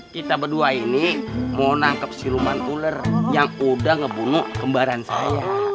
kita berdua ini mau nangkep siluman ular yang udah ngebunuh kembaran saya